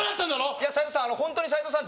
いや斉藤さん